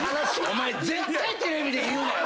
お前絶対テレビで言うなよ！